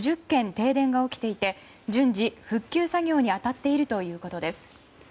停電が起きていて順次、復旧作業に当たっているということです。